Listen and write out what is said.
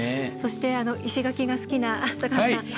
そして、石垣が好きな高橋さん。